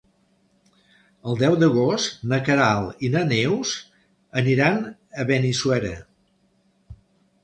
El deu d'agost na Queralt i na Neus aniran a Benissuera.